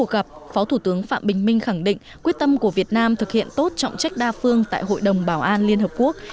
gặp phó thủ tướng phạm bình minh khẳng định quyết tâm của việt nam thực hiện tốt trọng trách đa phương tại hội đồng bảo an liên hợp quốc